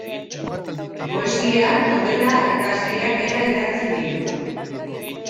Poesia, nobela eta saiakera idatzi ditu.